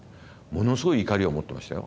ものすごい怒りを持ってましたよ